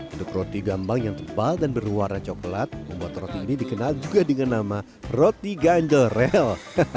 untuk roti gambang yang tebal dan berwarna coklat membuat roti ini dikenal juga dengan nama roti ganjel rel